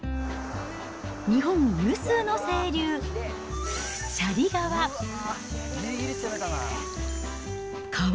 日本有数の清流、斜里川。